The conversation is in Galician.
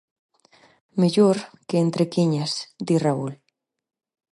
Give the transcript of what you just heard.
_Mellor, que entre Kiñas _di Raúl.